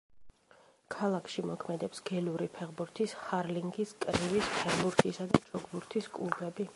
ქალაქში მოქმედებს გელური ფეხბურთის, ჰარლინგის, კრივის, ფეხბურთისა და ჩოგბურთის კლუბები.